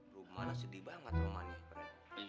gue mana sedih banget sama mantep